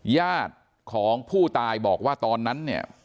ญาติของผู้ตายบอกว่าตอนนั้นเนี่ย